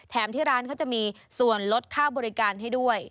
ที่ร้านเขาจะมีส่วนลดค่าบริการให้ด้วย